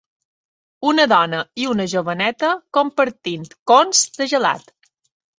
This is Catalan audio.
Una dona i una joveneta compartint cons de gelat